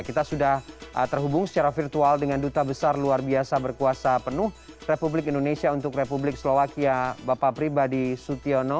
kita sudah terhubung secara virtual dengan duta besar luar biasa berkuasa penuh republik indonesia untuk republik slovakia bapak pribadi sutyono